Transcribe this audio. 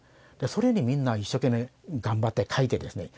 それにみんな一生懸命頑張って書いてですね